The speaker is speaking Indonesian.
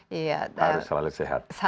harus selalu sehat